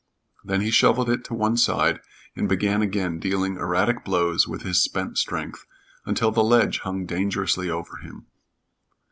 Then he shoveled it to one side and began again dealing erratic blows with his spent strength, until the ledge hung dangerously over him.